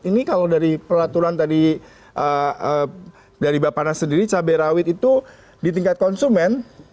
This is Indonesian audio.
ini kalau dari peraturan tadi dari bapak nas sendiri cabai rawit itu di tingkat konsumen